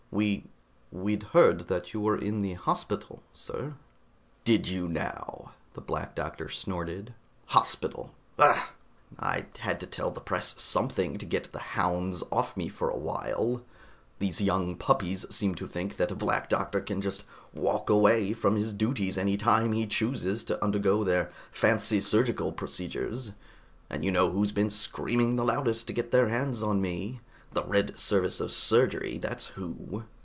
"We we'd heard that you were in the hospital, sir." "Did you, now!" the Black Doctor snorted. "Hospital! Bah! I had to tell the press something to get the hounds off me for a while. These young puppies seem to think that a Black Doctor can just walk away from his duties any time he chooses to undergo their fancy surgical procedures. And you know who's been screaming the loudest to get their hands on me. The Red Service of Surgery, that's who!"